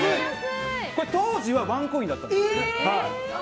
当時はワンコインだったんです。